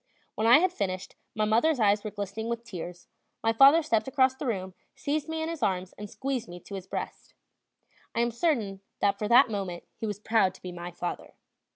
When I had finished, my mother's eyes were glistening with tears; my father stepped across the room, seized me in his arms, and squeezed me to his breast. I am certain that for that moment he was proud to be my father.